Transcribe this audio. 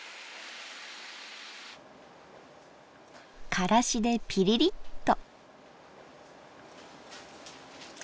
からしでピリリッと。